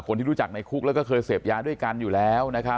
คนที่รู้จักในคุกแล้วก็เคยเสพยาด้วยกันอยู่แล้ว